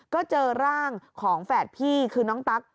ก็เจอร่างของแฝดพี่คือน้องตั๊ก